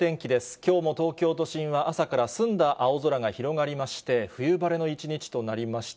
きょうも東京都心は朝から澄んだ青空が広がりまして、冬晴れの一日となりました。